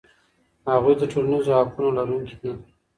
هغوی د ټولنیزو حقونو لرونکي دي.